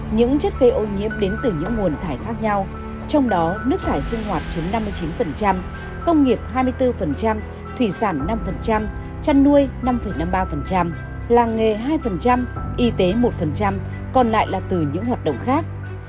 những chất gây ô nhiễm đến từ những nguồn thải khác nhau trong đó nước thải sinh hoạt chiếm năm mươi chín công nghiệp hai mươi bốn thủy sản năm chăn nuôi năm năm mươi ba làng nghề hai y tế một còn lại là từ những hoạt động khác